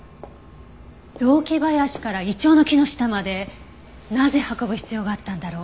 雑木林からイチョウの木の下までなぜ運ぶ必要があったんだろう？